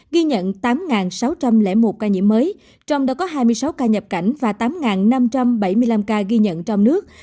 ghi nhận tám sáu trăm linh một ca nhiễm mới trong đó có hai mươi sáu ca nhập cảnh và tám năm trăm bảy mươi năm ca ghi nhận trong nước